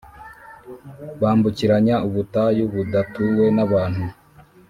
bambukiranya ubutayu budatuwe n'abantu